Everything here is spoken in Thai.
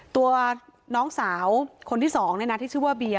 ตัวน้องสาวคนที่สองเนี่ยนะที่ชื่อว่าเบียร์